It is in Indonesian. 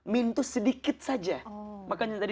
min itu sedikit saja makanya tadi